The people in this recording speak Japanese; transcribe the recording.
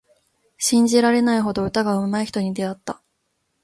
信じられないほど歌がうまい人に出会った。